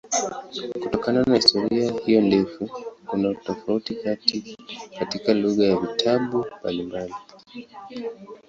Kutokana na historia hiyo ndefu kuna tofauti katika lugha ya vitabu mbalimbali.